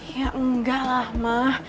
ya enggak lah ma